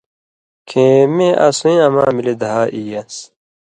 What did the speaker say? کھیں مِیں اسُویں اما ملی دھا ای یان٘س“